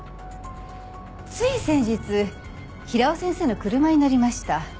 つい先日平尾先生の車に乗りました。